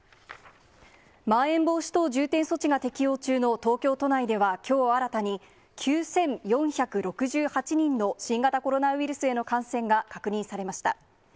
まん延防止等重点措置が適用中の東京都内ではきょう新たに、９４６８人の新型コロナウイルスへの感染が確認されました。